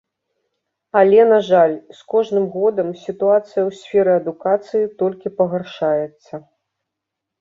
Але, на жаль, з кожным годам сітуацыя ў сферы адукацыі толькі пагаршаецца.